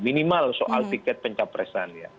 minimal soal tiket pencapresan